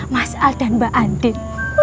mas al dan mbak andi